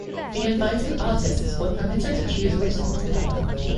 The invited artists were permitted to choose which song to cover.